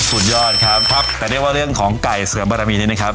สุดยอดครับครับแต่เรียกว่าเรื่องของไก่เสริมบารมีนี้นะครับ